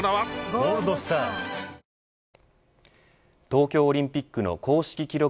東京オリンピックの公式記録